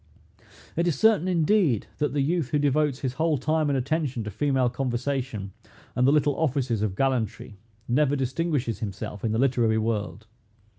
It is certain, indeed, that the youth who devotes his whole time and attention to female conversation, and the little offices of gallantry, never distinguishes himself in the literary world.